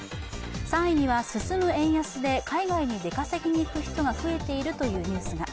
３位には進む円安で海外に出稼ぎにいく人が増えているというニュースが。